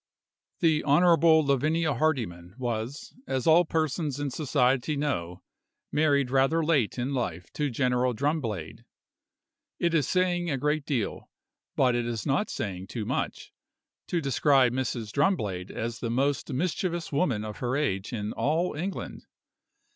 The Honorable Lavinia Hardyman was, as all persons in society know, married rather late in life to General Drumblade. It is saying a great deal, but it is not saying too much, to describe Mrs. Drumblade as the most mischievous woman of her age in all England.